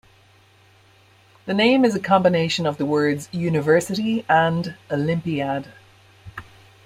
The name is a combination of the words "University" and "olympiad".